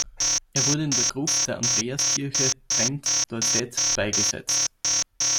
Er wurde in der Gruft der Andreaskirche, Trent, Dorset, beigesetzt.